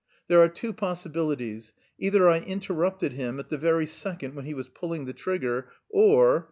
There are two possibilities: either I interrupted him at the very second when he was pulling the trigger or...